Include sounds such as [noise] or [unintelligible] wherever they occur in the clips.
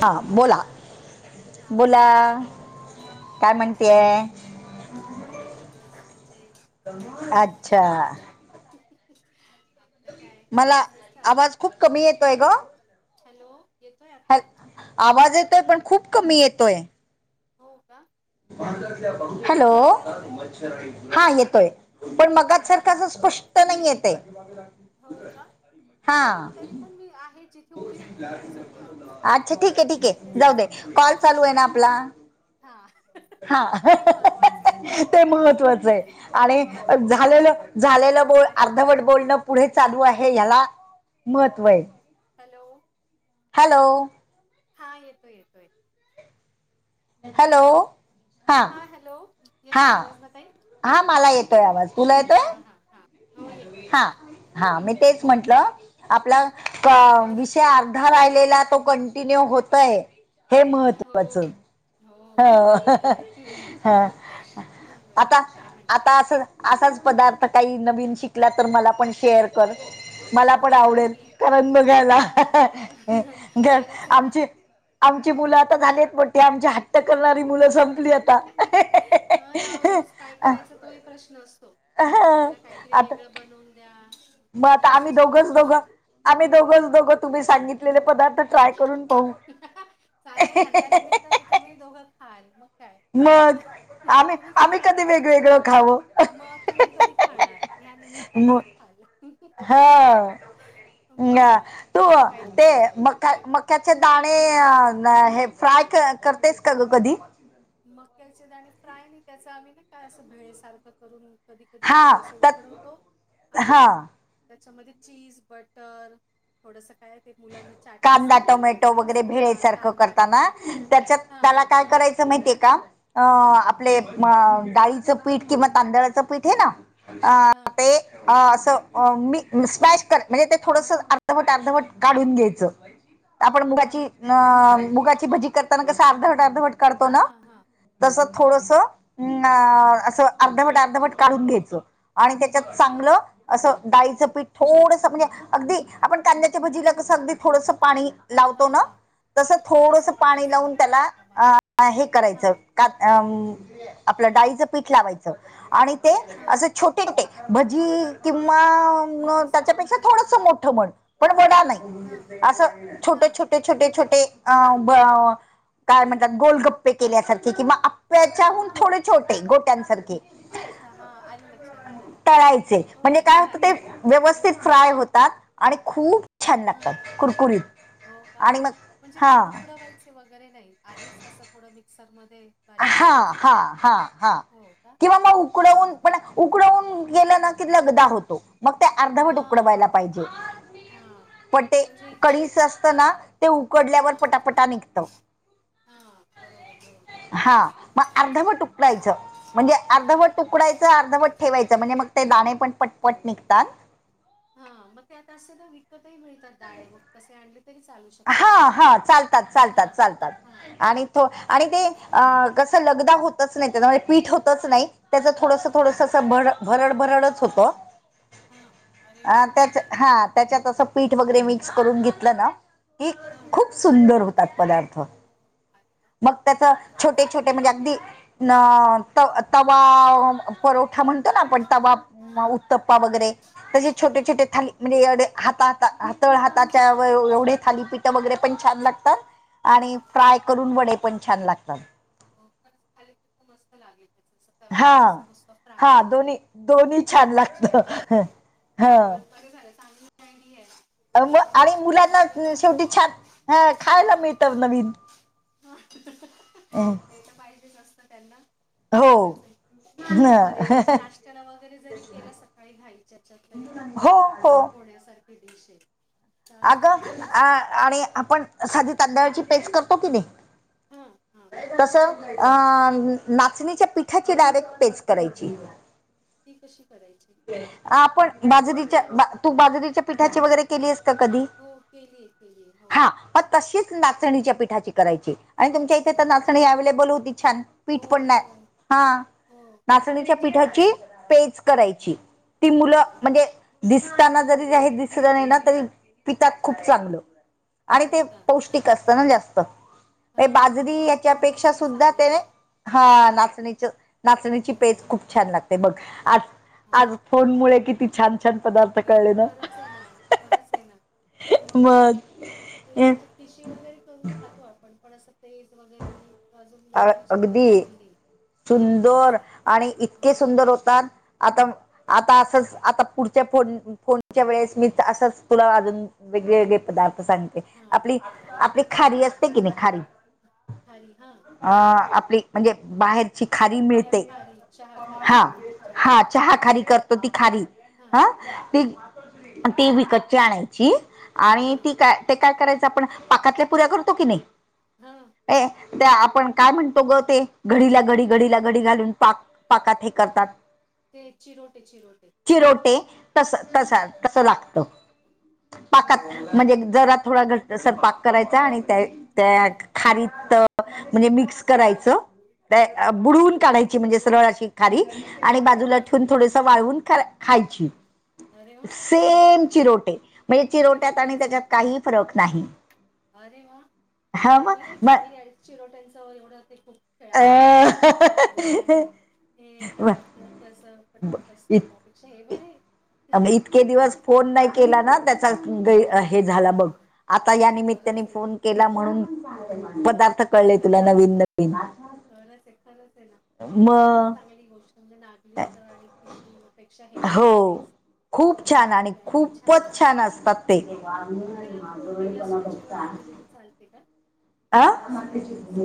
हा बोला हॅलो हा बोला. ताई काय म्हणतिये? काही नाही बस म्हणजे साधू यात्राचेच अच्छा कामं. [inaudible] मला आवाज खूप कमी येतोय ग. हॅलो येतोय आता? हॅल- आवाज येतोय पण खूप कमी येतोय. हो का? आता हॅलो आता येतोय हा येतोय. पण हा मगच हा सारखा अस स्पष्ट नाही येत आहे. हो का पण हां. तरी पण मी आहे जिथे उभी होते तिथेच होते आता अच्छा ठीक आहे तरी मी ठीक येते आहे जाऊ जरा दे. कॉल खिडकीजवळ चालू आहे ना आपला. हा हां ह ह. हा हं हं ह ह ह ते महत्वाचं आहे ते आणि झालेलं झालेलं बोल महत्वाचं आहे अर्धवट बोलणं पुढे चालू आहे हॅलो ह्याला महत्व आहे. हॅलो. हॅलो. हा येतोय येतोय. हा हॅलो हा हॅलो हा येतोय आवाज ना ताई? हा मला येतोय आवाज. तुला येतोय? हां हां हां हो येतोय हा येतोय. येतोय हा मी तेच म्हंटलं आपला पा परत विषय गेला अर्धा हॅलो राहिलेला तो कण कि न्यू होतय हे हो महत्वाचं. हो खरंय खरय हुं हुं ह हुं हुं. आता आता अस असाच पदार्थ काही नवीन शिकला तर मला पण शेअर मला पण हो आवडेल नक्की परण बघायला ह नक्की ह्या. ए घ खरंच आहे ना आमची आमची मुलं आता झालीयत मोठी आमच्या हा ढकलणारी मुलं संपली आता ए हे हा ना हे अहो, हे हे रोज काय आ. करायचा तोही प्रश्न असतो. डब्याला काहीतरी आता वेगळं बनवून द्या. मग आता ही आम्ही भाजी दोघंच नको दोघं आम्ही दोघंच दोघं तुम्ही सांगितलेले पदार्थ ट्राय करून पाहू हा हां चालेल ना त्यानमित्ताने तुम्ही दोघं खाल मग. काय मग अ हुं आम्ही तुम्ही काय आम्ही खाणी कधी खायचं मग वेगवेगळं खावं मग तुम्ही कधी खाणार? या निमित्तानेच म खाल हुं. हा न्या काय तू काय ते मका हा मक्याचं दाणे हे फ्राय करतेस का ग कधी? मक्याचे दाणे फ्राय नाही का त्याच आम्ही नाही का असं भेळे सारखं करून कधी कधी हा खातो अस त्यात उकडवतो आणि हा त्याच्यामध्ये चीज बटर थोडस काय ते मुलांना चाट कांदा मसाला टोमॅटो वगैरे असं हा भेळेसारखं कांदा करताना टोमॅटो त्याच्यात हां त्याला हां काय हां करायचं? माहिती आहे का? हां अं आपले अं डाळीचं पीठ किंवा तांदळाचं पीठ हे ना? हां अं ते असं अं मी स्मॅश कर म्हणजे ते थोडसं अर्धवट-अर्धवट.. काढून घ्यायचं, आपण हां मुगाची अच्छा अं मुगाची भजी करताना कसं अर्धवट- अर्धवट.. काढतो हां, ना? हां, हां. तसं हां, थोडसं.. हम् ना असं अर्धवट अर्धवट काढून घ्यायचं. आणि त्याच्यात हां. चांगलं असं डाळीचं पीठ थोडस म्हणजे अगदी आपण कांद्या ते बघ जिर कसं अगदी थोडसं पाणी हां, लावतो हां, ना हां. तसं ते थोडस थोडासा पाणी पाण्याचा लावून त्याला शिपका मारून. आ आ हे करायचं. हां, कात आम आपलं डाळीचं पीठ लावायच आणि ते हां. असं छोटे रुपी भजी किंवा मग त्याच्यापेक्षा भजीसारखे. थोडस हां, मोठ मन. पण बडा हां, नाही असं हां, छोटं-छोटं ते छोटे-छोटे अं काय म्हणतात गोलगप्पे केल्यासारखे क किंवा आप्याच्याहून हां. थोडे छोटे गोट्यांसारखे अच्छा हां, आलं लक्षात, आलं लक्षात तळायचे हो म्हणजे काय छान होतं ते लागेल ना कुरकुरीत? व्यवस्थित फ्राय होतात आणि खूप छान हां, लागतात कुरकुरीत हो का? आणि मग, म्हणजे हां. उकडवायचे ते वगैरे नाही, आधीच असं थोडं मिक्सरमध्ये बारीक हां, करायचं. हां, हां, हां हो का? किंवा मग अच्छा, उकडवून अच्छा. पण उकडवून गेलं ना की लगदा होतो मग ते अर्धवट हां, उकडवायला पाहिजे. हां. पटे म्हणजे एक जे कढीचं असत एक ना ते उकडल्यावर हां, पटापटा निघतं हां. बरोबर बरोबर. हां, मग बरोबर. अर्धवट उकडवायचं म्हणजे हां. अर्धवट उकडवायचं, अर्धवट ठेवायचं म्हणजे मग ते दाणे पण पटपट निघतात. हां, मग ते आता असे ना विकतही मिळतात दाणे मग तसे आणले तरी चालू शकतात. हां, हां चालतात चालतात हा चालतात आणि तो आणि ते विकत आणले. अं कसं लगदा होतंच नाही त्याचं पीठ होतंच नाही.. त्याचं हा थोडसं-थोडसं असं भरड-भरडच होतो. हा अरे वा अं त्याच्या चांगली आहे ना हां मग त्याच्यात आयडिया असं पीठ वगैरे मिक्स करून घेतलं ना की, हा खूप सुंदर होतात पदार्थ हो, अरे वा मग त्याचं खरंच चांगली छोटे-छोटे गोष्ट म्हणजे आहे. अगदी न त तवा परोठा म्हणतो ना आपण तवा हा हा टप्पा वगैरे तसे छोटे हा छोटे थाली म्हणजे एवढे हातात तळ हाताच्या एवढे थालीपीठं वगैरे पण छान लागतात आणि अरे वा फ्राय करून वडे पण छान लागतात. हो खरंच, थालीपिठं मस्त लागेल त्याचं असं हा तव्यामध्ये अस नुसतं फ्राय हा केलेलं दोन्ही दोन्ही ते छान पण लागत छान लागते. अरे ह वा! बरं झालं, चांगली आयडीया आहे. काहीतरी आणि नाश्त्याला मुलांना वगैरे पण शेवटी छान हं खायला मिळतं नवीन हठ [unintelligible] अं ते तर पाहिजेच असतं त्यांना खरंच आहे. ते पण हे बरे म्हणजे न- नाश्त्याला वगैरे जरी केलं सकाळी घाईच्याच्यात तरी हो पटकन हो होण्यासारखी डिश आहे. चालेल अगं खरंच मस्त आहे. अं आणि आपण साधी तांदळची पेच करतो की नाही? हं. तसं अं नाचणीच्या पिठाची डायरेक्ट पेच करायची. ती कशी करायची? आपण बाजरीच्या बा तू बाजरीच्या पिठाची वगैरे केली आहेस का कधी? हो केलीय, केलीय हो. हा मग तशीच नाचणीच्या पिठाची करायची आणि तुमच्या इथे हो तर का? नाचणी अव्हेलेबल होती छान हो, पीठ पण नाही हो, हां हो. हो ते नाचणीच्या छान आहे. पीठाची पेज करायची. ती मुलं अरे वाह! म्हणजे दिसतांना जरी दिसलं नाही ना तरी पितात खूप चांगलं आणि हो ते का? पौष्टिक असतं ना जास्त हां बाजरी तेव्हा आणि याच्यापेक्षा थंडीचीही सुद्धा ते चांगली असते. हा नाचणीच नाचणीची हो. पेज खूप छान लागते बघ आ आज फोन मुळे किती छान-छान पदार्थ ते कळले ना खरंच आहे ना, खरंच आहे ना मग काय? ते म्हणजे अ- खिशी वगैरे करून खातो आपण पण असं पेच वगैरे मी अजून नागलीची कधी अगदी खाल्ली नाही. म्हणजे सुंदर असं आणि इतके हो सुंदर होतात. आता आता असंच आता पुढच्या फोन फोनच्या वेळेस मी असाच तुला अजून वेगवेगळे पदार्थ सांग- हा आपली चालेल आपली चालेल खारी असते की नाही खारी? खारी हा. आं. आपली म्हणजे बाहेर- ची खारी ती मिळते. खारी चहा खारी हा. खातो ती चहा हा. चहा खारी करतो ती खारी. हा. ते ती विकतची आणायची हा आणि ती काय? ते काय करायची? त्या आपण पाकातल्या पुऱ्या करतो की नाही? हा. ते आपण काय म्हणतो ग ते? घडीला घडी, घडीला घडी घालून पाक- पाकात हे करतात. ते चिरोटे चिरोटे चिरोटे. तस हा तसं लागत. हो पाकात का म्हणजे जरा थोडा घट्ट. असा पाक करायचा आणि त्या हा त्या खारीत म्हणजे मिक्स अरे वा करायचं. हा बुडवून काढायची म्हणजे, सरळ अशी खारी. आणि बाजूला हा ठेवून थोडस वाळवून ख खायची. अरे वा सेम चिरोटे. म्हणजे चिरोट्यात आणि त्याच्यात चिरोट्यांसारखी काहीही फरक नाही. अरे व्वा! हा हे मग बरय. चांगल आहे चिरोट्यांचं एवढं ते खूप- खेळाव लागत. ते साठा लावा आणि- हे मग अ, करा. ते तसं कटकट असते. त्यापेक्षा हे बरय. अ इतके दिवस फोन- नाही केला ना? त्याचा हे झाला बघ. हा आता या निमित्ताने खरंच आहे फोन- केला म्हणून पदार्थ- कळले कळलं तुला तरी. नवीन नवीन. खरच ये. खरंच ये ना. म हे खरंच चांगली गोष्ट. म्हणजे नागलीच आणि खि शीपेक्षा हे हो. बरय टेस्ट. खूप गरम छान गरम आणि प्यायलाही छान खूपच वाटत. असतात ते मग त्याला फोडणी लसणाची वगैरे दिलेली- चालते का? अ साधे अस.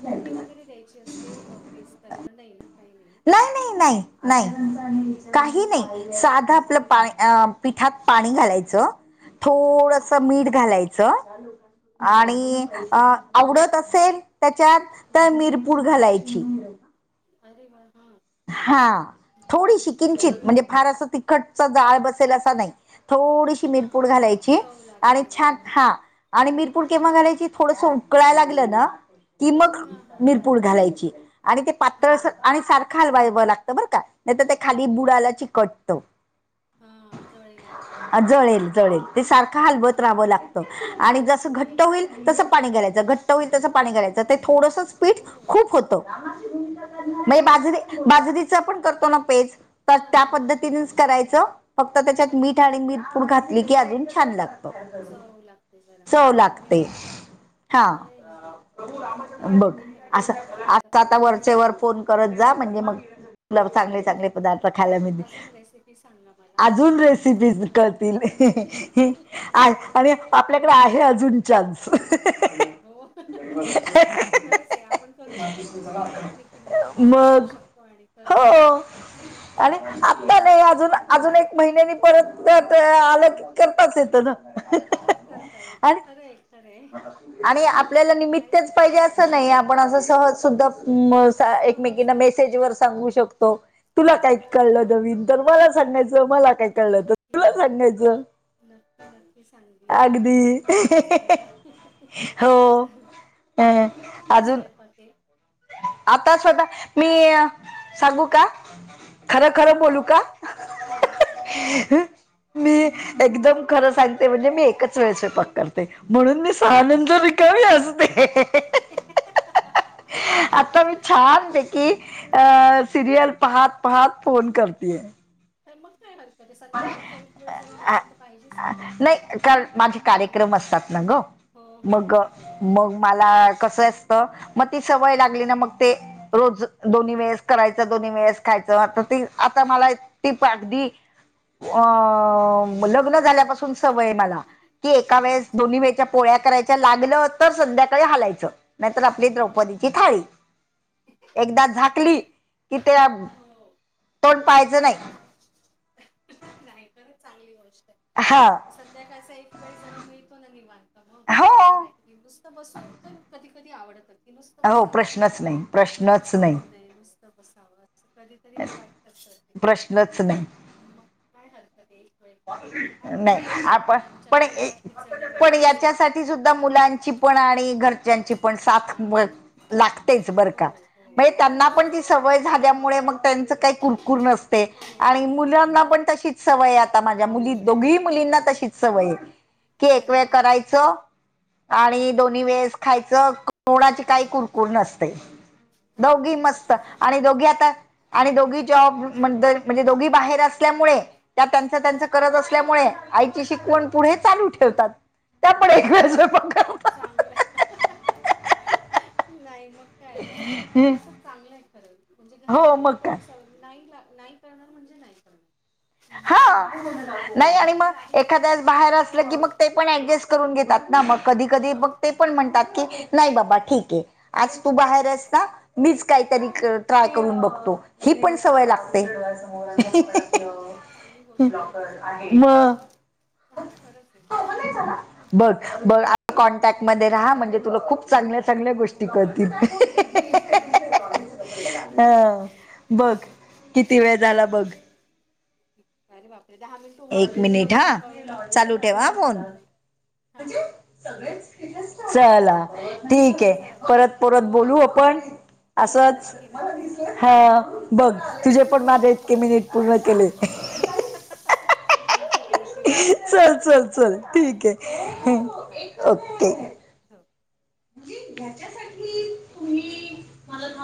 फोडणी वगैरे द्यायची असते पेस्ट करायला नाही ना? काही नाही ना? नाही. नाही. काही नाही. साधं आपलं पा हा, पिठात पाणी घालायचं. हा थोडस मीठ घालायचं. च हा आणि- अ आवडत असेल त्याच्यात, तर मिरपूड घालायची. अरे वा! हा. हा. थोडीशी किंचित मेल म्हणजे फार फूड असं- गच्च गाळ बसेल असा नाही. थोडीशी- हा मिरपूड घालायची. चव लागेल आणि एवढी छान फक्त हा. आणि मिरपूड हा केव्हा घालायची? थोडसं उकळायला लागलं ना? की मग हा हा हा मिरपूड घालायची. आणि ते पातळ हा असं, आणि सारखं हलवावं लागतं बरं का? नाही तर ते खाली बुडाला चिकटत. हम्म. जळेल, जळेल. ते सारखं हलवत हां राहावं हां लागत. आणि जस हां घट्ट होईल- तसं पाणी घालायच. घट्ट होईल तसं पाणी घालायचं. ते थोडंसंच - पीठ हो खूप होत. हो हे बाजरी, अरे वा बाजरीच आपण करतो ना पेज? तर हां त्या हां हां पद्धतीनेच करायचं. फक्त त्याच्यात हां मीठ आणि मीर पूड घातली की अजून छान लागत. चव लागते चव लागते. हा चांगलीए [unintelligible] बघ. अस अस आता वरचे वर फोन करत जा म्हणजे- मग हो चांगले चांगले पदार्थ खायला आज मिळतील. अजून रेसिपी सांगा मला अजून तुम्ही रेसिपीज अजून आता कळतील. आहे आणि आपल्याकडे खरंच आहे ना अजून चान्स. ख आहे आपण करू शकतो दोघी एकमेकींना सांगू मग शकतो आणि हो करून हो मग काय आणि आत्ता नाही अजून अजून एक महिन्यानी परत आलं की करताच येतं ना परत करता येत आणि खरं आहे खरं आहे आणि मग आपल्याला काय आणि निमित्तच पाहिजे असं नाही आपण असं सहज सुद्धा एकमेकीना सहजही मेसेज करू वर सांगू शकतो तुला काही हो कळलं हो जावीन तर मला सांगायचं मला काय कळलं तर नक्की तुला सांगायचं नक्की नक्की सांगली नक्की तुम्ही अगदी पण मला सांगा हो. अ मग आता कायच अजून वळपात आहे आता स्वतः मी सांगू का हां खरं खरं बोलू का हां एक अगदी खरं मी एकदम खरं सांगते म्हणजे मी एकच वेळेस पक करते म्हणून मी अरे अच्छा सानंदर रिकव असते आता ममही छान देी अ सिरियल पाहात पाहात फोन करतेय का मग काय हरकत आहे संध्याकाळचा एक वेळ जरा दिवंत पाहिजेच की प्रत्येकी नाही कार माझे मग कार्यक्रम असतात ना ग हो हो मग हो बरोबर मग मला कस असत मग ती सवय लागली ना मग ते रोज हो दोन् वेळेस करायच दोन्ही वेळेस खायच आ हम्म, मला त अ हो ् सवय अच्छा ए पोळ्या करायच्या लागलं हो तर संध्याकाळी हालायचं नाहीतर आपली हां द्रौपदीची थाळी एकदा झाकली की त्या हो कोण पाहिजं नाही नाही तरच चांगली गोष्ट आहे खशा संध्याकाळचा एक वेळ जरा मिळतो ना निवांत मग हो असं काहीतरी नुसतं बसून पण कधी कधी आवडतच क नुसतं हो बसावं प्रश्नच नाही प्रश्नच काहीच नाही करू नये नुसतं बसावं अस कधी तरी वाटतते प्रश्नच नाही मग काय हरतं ते व नाही आपण पण तर काय खिचडी पण वगैरे असं याच्यासाठी सुद्धा मुलां पण आणि घरच्यांची पण साथ हा लागतेच बरं का हो हो म्हणजे त्यांना खरे पण ती खरे सवय झाल्यामुळे मग त्यांचं काही कुरकुर नसते हो आणि मुलांना हो पण तशीच सवय आता माझ्या मुली दोघीही मुलींना तशीच सवय की एक अरे वेळ वा करायचं हा आणि दोन्ही वेळे खायचं कोोणाची काही कुरकुर नसते खरं दोघी ती मस्त गोष्ट आणि चांगली दोघी आहे आता आणि दोघी जॉब म्हण म्हणजे दोघी बाहेर असल्यामुळे त्या त्यांच हा त्यांच करज अस मुळे आईची शिकवण पुढे चालू ठेवतात अरे चा त्या ज खूप खूप चांगलं नाही मग काय उलट असं चांगलं आहे करेल म्हणजे हो घरच्यांना मग काय तेवढी स नाही नाही करणार म्हणजे नाही करणार म्हणजे हा ते चांगली गोष्ट नाही आणि अगदी मग लाभल्या तर मग एखाद्या बाहेर कधीतरी असलं की मग काहीतरी ते पण डजस्ट करून घेतात ना मग कधी कधी हां ब ते पण हां म्हणतात की नाही बाबा ठीक आहे आज तू हो बाहेरस ना मीच काहीतरी हो ट्राय करून बघतो ही पण सवय बरोबर लागते बरोबर खरंच चांगली म गोष्ट आहे ही मग खरंच आहे बघ बघ कॉनटॅक्ट म राहा म्हणजे तुला खूप चांगल्या हो चांगल्या गोष्टी हो करतील हो नक्की हा ह बघ किती वेळ झाला बघ. अरे बापरे दहा मिनट एक होऊनही मिनिट गेले हा क चालू ठेवा हा कळलं फोन पण नाही हा चला ठीक आहे चल परत परत हो हो बोलू आपण हो असंच. नक्की नक्की हा बघ नक्की तुझे पण माझे हो इतके मिनिट पूर्ण केले. थँक्यू थँक्यू चल चल चल ठीक ओके आहे हो बाय बाय ओके. हो म्हणजे हच्यासाठी तुम्ही मला